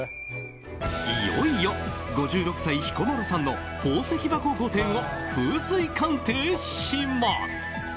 いよいよ５６歳、彦摩呂さんの宝石箱御殿を風水鑑定します。